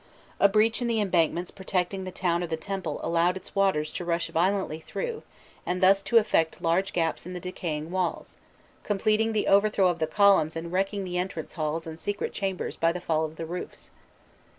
A breach in the embankments protecting the town or the temple allowed its waters to rush violently through, and thus to effect large gaps in the decaying walls, completing the overthrow of the columns and wrecking the entrance halls and secret chambers by the fall of the roofs.